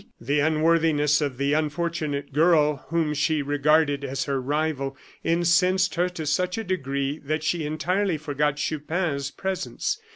The unworthiness of the unfortunate girl whom she regarded as her rival, incensed her to such a degree that she entirely forgot Chupin's presence.